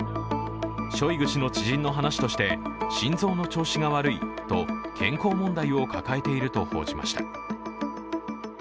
ショイグ氏の知人の話として、心臓の調子が悪いと健康問題を抱えていると報じました。